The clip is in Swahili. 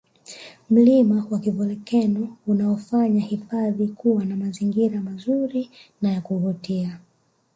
mlima wa kivolkano unaofanya hifadhi kuwa na mazingira mazuri na yakuvutia